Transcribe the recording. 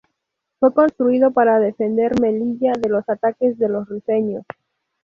Fue construido para defender Melilla de los ataques de los rifeños.